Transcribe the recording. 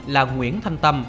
là nguyễn thanh tâm